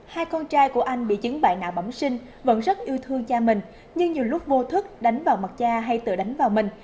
hai con trai của anh bị chứng bại não bong sinh vẫn rất yêu thương cha mình nhưng nhiều lúc vô thức đánh vào mặt cha hay tự đánh vào mình